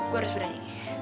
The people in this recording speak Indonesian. gue harus berani